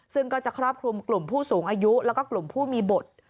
ซึ่งก็จะครอบคลุมกลุ่มผู้สูงอายุแล้วก็กลุ่มผู้มีบท